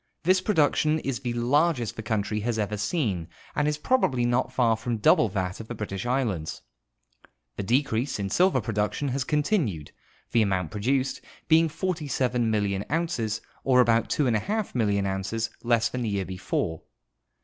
This production is the largest the country has ever seen and is probably not far from double that of the British islands. The decrease in silver production has continued, the amount j)roduced being 47,000,000 ounces, or about 24 million ounces less than the year before.